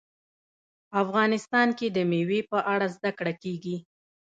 افغانستان کې د مېوې په اړه زده کړه کېږي.